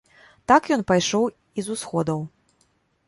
Так ён пайшоў і з усходаў.